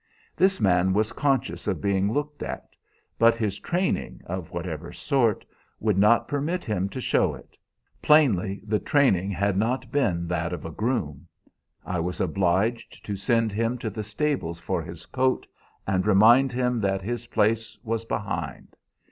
This man was conscious of being looked at, but his training, of whatever sort, would not permit him to show it. Plainly the training had not been that of a groom. I was obliged to send him to the stables for his coat, and remind him that his place was behind.